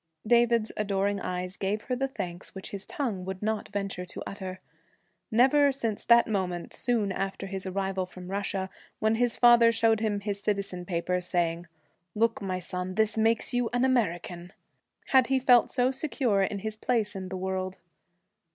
David's adoring eyes gave her the thanks which his tongue would not venture to utter. Never since that moment, soon after his arrival from Russia, when his father showed him his citizenship papers, saying, 'Look, my son, this makes you an American,' had he felt so secure in his place in the world.